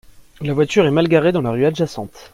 La voiture est mal garée dans la rue adjacente.